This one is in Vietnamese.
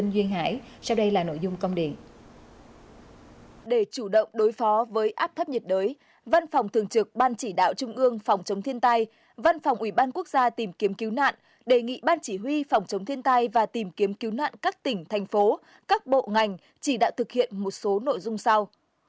văn phòng thường trực ban chỉ đạo trung ương phòng chống thiên tai văn phòng ủy ban quốc gia tìm kiếm cứu nạn đề nghị ban chỉ huy phòng chống thiên tai và tìm kiếm cứu nạn các tỉnh thành phố các bộ ngành chỉ đã thực hiện một số nội dung sau